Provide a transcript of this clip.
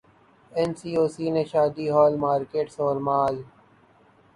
N C O C نے شادی hall, markets اور مال